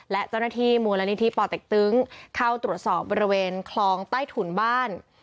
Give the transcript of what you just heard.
และเจ้าหน้าที่มูลนิธิป่อเต็กตึงเข้าตรวจสอบบริเวณคลองใต้ถุนบ้าน